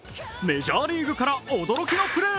メジャーリーグから驚きのプレー。